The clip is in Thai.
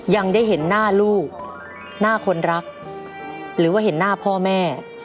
ยังได้เห็นหน้าลูกหน้าคนรักหรือว่าเห็นหน้าพ่อแม่